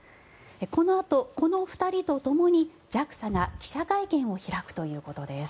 このあとこの２人とともにＪＡＸＡが記者会見を開くということです。